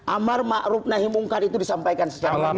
amar ma'rup nahimungkar itu disampaikan secara langsung